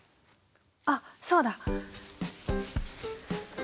あっそうだ！